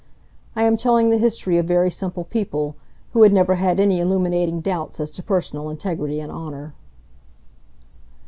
I am telling the history of very simple people, who had never had any illuminating doubts as to personal integrity and honour.